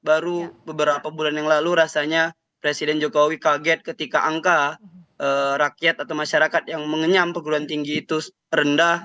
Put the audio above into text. baru beberapa bulan yang lalu rasanya presiden jokowi kaget ketika angka rakyat atau masyarakat yang mengenyam perguruan tinggi itu rendah